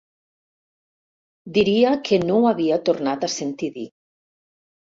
Diria que no ho havia tornat a sentir dir.